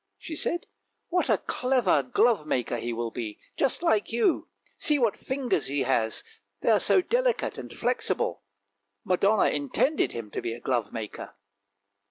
" she said; " what a clever glove maker he will be, just like you; see what fingers he has, they're so delicate and flexible ! Madonna intended him to be a glove maker!